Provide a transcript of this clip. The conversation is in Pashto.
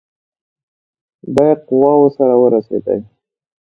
دی قواوو سره ورسېدی.